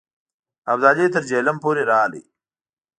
ابدالي تر جیهلم پورې راغی.